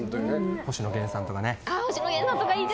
星野源さんとかね。